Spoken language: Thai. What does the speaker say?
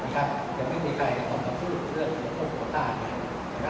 จะไม่มีใครก็พูดเลยเรื่องก่อนโตตา